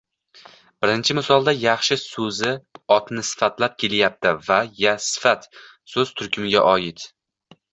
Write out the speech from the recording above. Birinchi misolda yaxshi soʻzi otni sifatlab kelyapti va sifat soʻz turkumiga oid